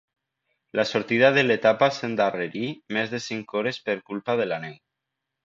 La sortida de l'etapa s'endarrerí més de cinc hores per culpa de la neu.